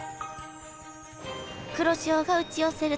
黒潮が打ち寄せる